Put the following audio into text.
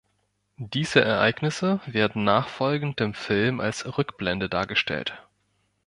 Diese Ereignisse werden nachfolgend im Film als Rückblende dargestellt.